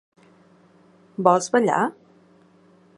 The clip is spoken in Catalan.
Vols ballar?